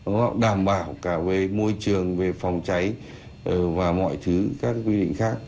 nó đảm bảo cả về môi trường về phòng cháy và mọi thứ các quy định khác